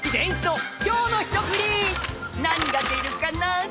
「何が出るかな？」